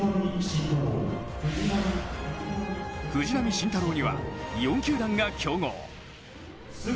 藤浪晋太郎には４球団が競合。